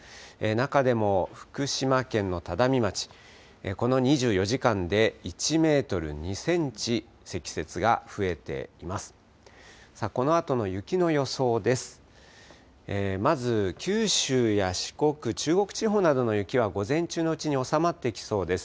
中でも福島県の只見町、この２４時間で１メートル２センチ積雪が増えています。